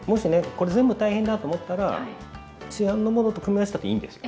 これ全部大変だと思ったら市販のものと組み合わせたっていいんですよ